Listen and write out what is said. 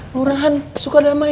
lurahan suka damai